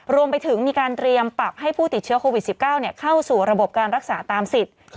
รวมไปถึงมีการเตรียมปรับให้ผู้ติดเชื้อโควิด๑๙เข้าสู่ระบบการรักษาตามสิทธิ์